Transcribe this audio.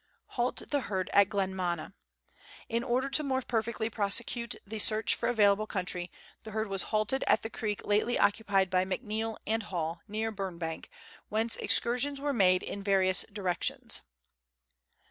Halt the Herd at Glenmona. In order more perfectly to prosecute the search for available country, the herd was halted at the creek lately occupied by McNeil and Hall, near Eurobank,, whence excursions were made in various directions.